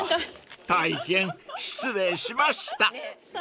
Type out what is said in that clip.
［大変失礼しました］